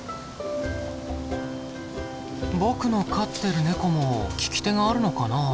僕の飼ってるネコも利き手があるのかな？